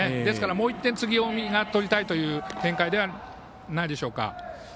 もう１点、次、近江が取りたいという展開ではないでしょうか。